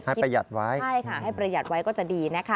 ให้ประหยัดไว้ก็จะดีนะคะใช่ค่ะให้ประหยัดไว้